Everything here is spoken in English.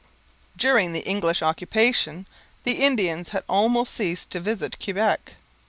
During the English occupation the Indians had almost ceased to visit Quebec.